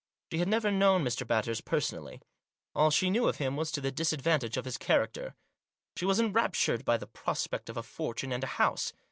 She had never known Mr. Batters' personally ; all she knew of him was to the disadvantage of his character. She was enraptured by the prospect of a fortune and a house.